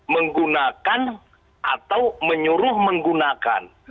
menggunakan atau menyuruh menggunakan